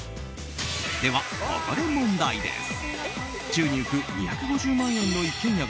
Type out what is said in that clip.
では、ここで問題です。